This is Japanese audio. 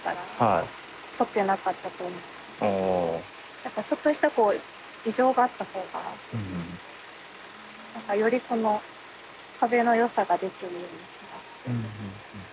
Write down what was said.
多分これがちょっとしたこう異常があったほうがよりこの壁のよさが出てるような気がして。